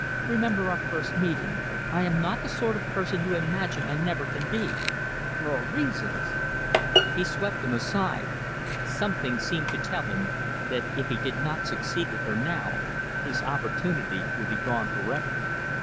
"Remember our first meeting. I am not the sort of person you imagine. I never can be. There are reasons " He swept them aside. Something seemed to tell him that if he did not succeed with her now, his opportunity would be gone forever.